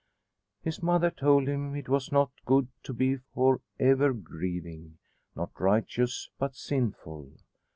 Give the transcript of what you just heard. His mother told him it was not good to be for ever grieving not righteous, but sinful.